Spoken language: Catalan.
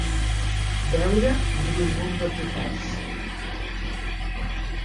Veure bromur de potassi.